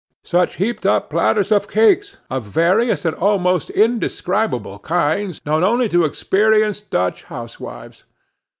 Such heaped up platters of cakes of various and almost indescribable kinds, known only to experienced Dutch housewives!